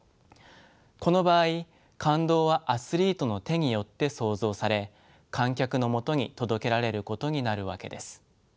この場合感動はアスリートの手によって創造され観客のもとに届けられることになるわけです。